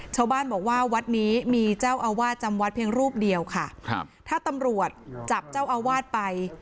ชาวบ้านบอกว่าวัดนี้มีเจ้าอาวาสจำวัดเพียงรูปเดียวค่ะครับถ้าตำรวจจับเจ้าอาวาสไป